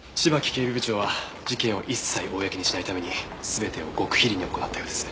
警備部長は事件を一切公にしないために全てを極秘裏に行ったようです。